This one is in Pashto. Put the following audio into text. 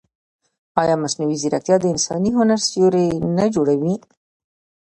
ایا مصنوعي ځیرکتیا د انساني هنر سیوری نه جوړوي؟